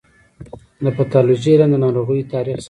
د پیتالوژي علم د ناروغیو تاریخ ساتي.